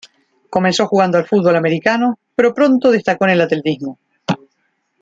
Comenzó jugando al fútbol americano, pero pronto destacó en el atletismo.